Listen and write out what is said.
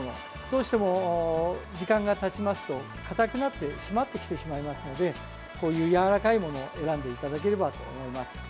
どうしても時間がたちますとかたくなって締まってきてしまいますのでこういう、やわらかいものを選んでいただければと思います。